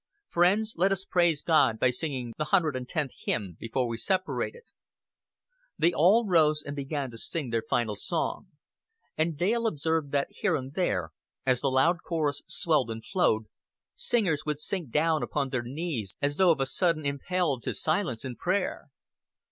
"Friends, let us praise God by singing the hundred and tenth hymn before we separate." They all rose and began to sing their final song; and Dale observed that here and there, as the loud chorus swelled and flowed, singers would sink down upon their knees as though of a sudden impelled to silence and prayer.